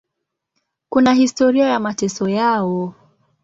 Kuna historia ya mateso yao.